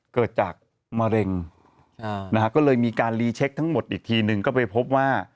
เกิดจากมะเร็งนะฮะก็เลยมีการรีเช็คทั้งหมดอีกทีหนึ่งก็ไปพบว่า